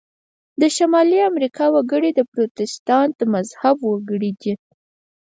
د شمالي امریکا وګړي د پروتستانت د مذهب پیروان دي.